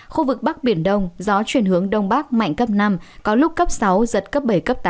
khu vực bắc biển đông gió chuyển hướng đông bắc mạnh cấp năm có lúc cấp sáu giật cấp bảy cấp tám